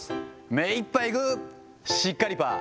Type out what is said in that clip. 目いっぱい、グー、しっかりパー。